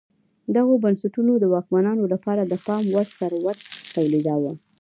دغو بنسټونو د واکمنانو لپاره د پام وړ ثروت تولیداوه